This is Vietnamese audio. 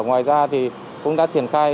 ngoài ra cũng đã triển khai